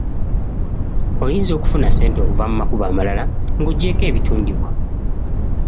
Oyinza okufuna ssente okuva mu makubo amalala ng’oggyeeko ebitundibwa.